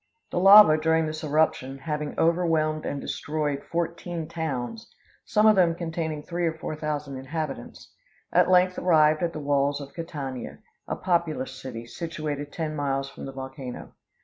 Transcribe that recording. The lava, during this eruption, having overwhelmed and destroyed fourteen towns, some of them containing three or four thousand inhabitants, at length arrived at the walls of Catania, a populous city, situated ten miles from the volcano.